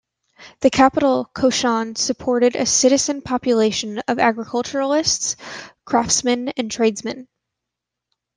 The capital, Qashan supported a citizen population of agriculturists, craftsmen and tradesmen.